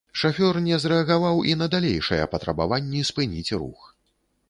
Шафёр не зрэагаваў і на далейшыя патрабаванні спыніць рух.